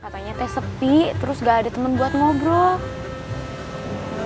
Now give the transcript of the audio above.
katanya teh sepi terus gak ada temen buat ngobrol